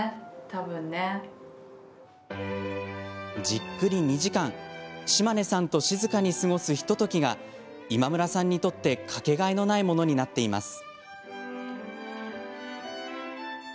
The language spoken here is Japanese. じっくり２時間、島根さんと静かに過ごすひとときが今村さんにとって掛けがえのないものになっています。